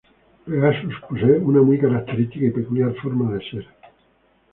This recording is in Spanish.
Pegasus posee una muy característica y peculiar forma de ser.